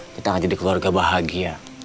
kita akan jadi keluarga bahagia